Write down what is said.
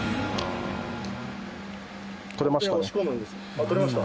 あっ取れました？